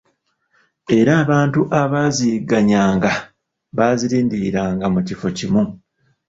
Era abantu abaaziyigganyanga baazirindiranga mu kifo kimu.